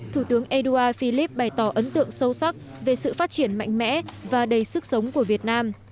thủ tướng édouard philip bày tỏ ấn tượng sâu sắc về sự phát triển mạnh mẽ và đầy sức sống của việt nam